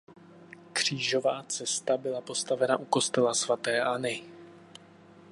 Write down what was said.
Křížová cesta byla postavena u kostela Svaté Anny.